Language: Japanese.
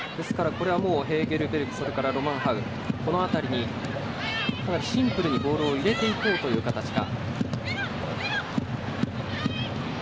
ヘーゲルベルク、ロマンハウこの辺りにシンプルにボールを入れていこうという形か。